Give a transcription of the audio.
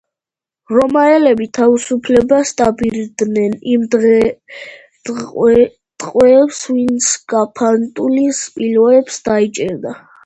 რომაელები თავისუფლებას დაპირდნენ იმ ტყვეებს, ვინც გაფანტულ სპილოებს დაიჭერდა.